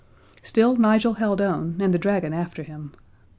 Still Nigel held on and the dragon after him.